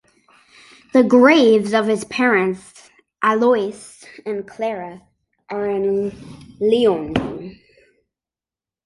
The graves of his parents Alois and Klara are in Leonding.